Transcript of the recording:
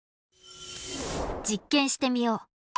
実験してみよう。